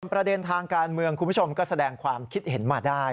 ประเด็นทางการเมืองคุณผู้ชมก็แสดงความคิดเห็นมาได้